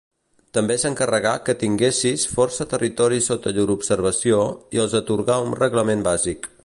També s'encarregà que tinguessis força territoris sota llur observació i els atorgà un reglament bàsic.